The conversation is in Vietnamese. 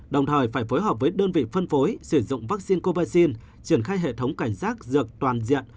đồng thời phải phối hợp với đơn vị phân phối sử dụng vaccine covid triển khai hệ thống cảnh giác dược toàn diện